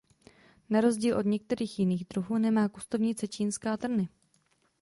Na rozdíl od některých jiných druhů nemá kustovnice čínská trny.